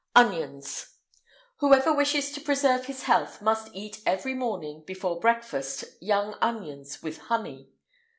ONIONS. Whoever wishes to preserve his health must eat every morning, before breakfast, young onions, with honey.